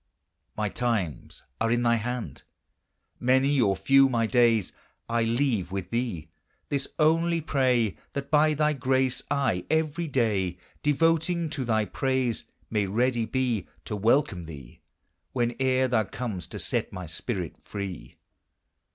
My times are in thy hand! Many or few, my days I leave with thee, this only pray, That by thy grace, I, every day Devoting to thy praise, May ready be To welcome thee Whene'er thou com'st to set my spirit free.